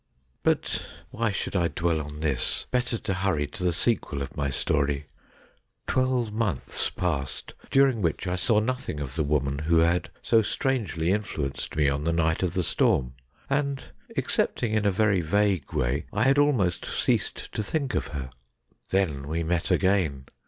But why should I dwell on this ? Better to hurry to the sequel of my story. Twelve months passed, during which I saw nothing of the woman who had so strangely influenced me on the night of the storm ; and, excepting in a very vague way, I had almost ceased to think of her. Then we met again.